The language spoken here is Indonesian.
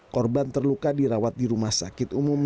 korban terluka dirawat di rumah sakit umum